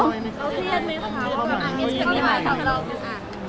เก็บได้เกือบจะพันไล่แล้ว